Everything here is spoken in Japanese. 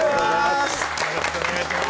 よろしくお願いします！